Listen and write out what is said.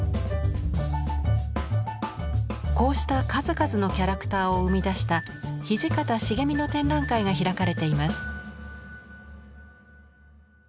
こうした数々のキャラクターを生み出した土方重巳の展覧会が開かれています。